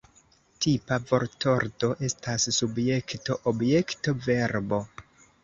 Tipa vortordo estas Subjekto Objekto Verbo.